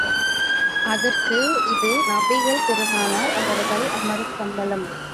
அதற்கு, இது நபிகள் பெருமானார் அவர்கள் அமரும் கம்பளம்.